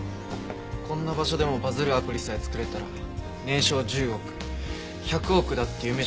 こんな場所でもバズるアプリさえ作れたら年商１０億１００億だって夢じゃないし。